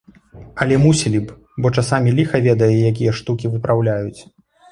Але мусілі б, бо часамі ліха ведае якія штукі выпраўляюць.